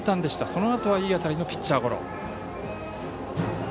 そのあとはいい当たりのピッチャーゴロ。